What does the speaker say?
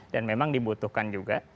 dan memang dibutuhkan juga